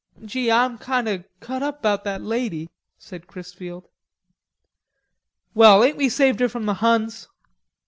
"Gee, Ah'm kind o' cut up 'bout that lady," said Chrisfield. "Well, ain't we saved her from the Huns?"